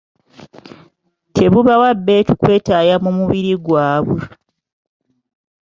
Tebubawa bbeetu kwetaaya mu mubiri gwabwe.